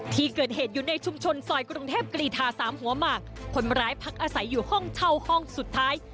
ที่เกิดเหตุอยู่ในชุมชนซอยกรุงเทพกรีธาสามหัวหมากคนร้ายพักอาศัยอยู่ห้องเช่าห้องสุดท้าย